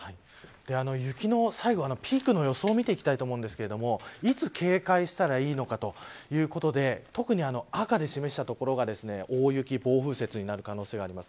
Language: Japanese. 雪の最後、ピークの予想を見ていきたいと思うんですがいつ警戒したらいいのかということで特に赤で示した所が大雪、暴風雪になる可能性があります。